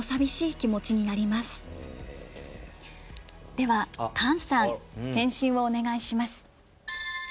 では菅さん、返信をお願いします。